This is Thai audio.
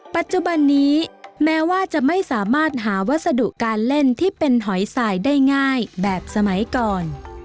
ปัจจุบันนี้แม้ว่าจะไม่สามารถหาวัสดุการเล่นที่เป็นหอยสายได้ง่ายแบบสมัยก่อน